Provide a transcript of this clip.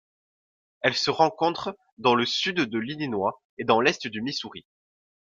Elle se rencontre dans le Sud de l'Illinois et dans l'Est du Missouri.